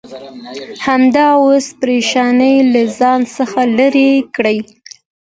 همدا اوس پرېشانۍ له ځان څخه لرې کړه.